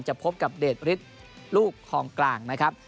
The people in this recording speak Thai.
พบกับเดชฤทธิ์ลูกคลองกลางนะครับ